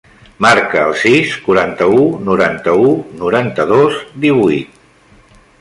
Marca el sis, quaranta-u, noranta-u, noranta-dos, divuit.